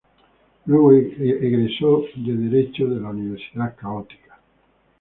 Luego egresó de derecho de la Universidad Católica.